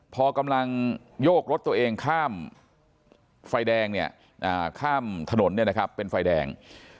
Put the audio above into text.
พอกำลังโยกรถตัวเองข้ามไฟแดงเนี่ยข้ามถนนเป็นไฟแดง